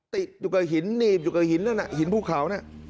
ติดอยู่กับหินหนีบอยู่กับหินผู้เขานะ